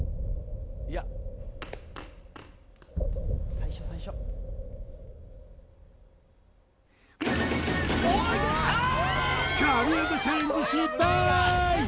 最初最初神業チャレンジ失敗